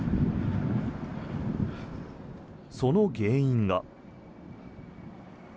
その原因が。